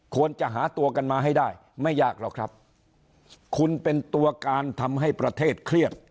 ควรจะหาตัวกันมาให้ได้ไม่ยากหรอกครับคุณเป็นตัวการทำให้ประเทศเครียด